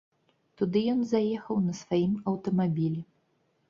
Туды ён заехаў на сваім аўтамабілі.